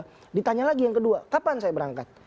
pertanyaan lagi yang kedua kapan saya berangkat